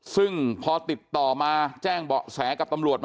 ซึ่งพอติดต่อมาแจ้งเบาะแสกับตำรวจมา